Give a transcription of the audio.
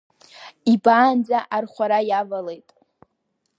Ибаанӡа архәара иавалеит.